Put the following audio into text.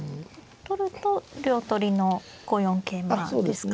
取ると両取りの５四桂馬ですか。